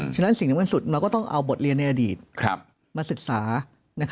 ฉะนั้นสิ่งที่มันสุดเราก็ต้องเอาบทเรียนในอดีตมาศึกษา